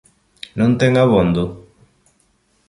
Non ten abondo?